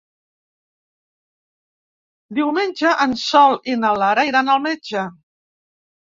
Diumenge en Sol i na Lara iran al metge.